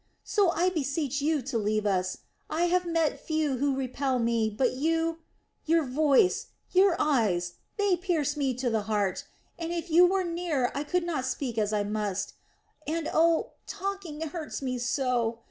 So I beseech you to leave us. I have met few who repelled me, but you your voice, your eyes they pierce me to the heart and if you were near I could not speak as I must.... and oh, talking hurts me so!